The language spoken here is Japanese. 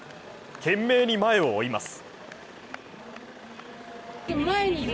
懸命に前を追います。